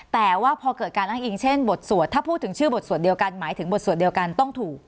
แต่ว่าพอเกิดการอ้างอิงเช่นบทสวดถ้าพูดถึงชื่อบทสวดเดียวกันหมายถึงบทสวดเดียวกันต้องถูก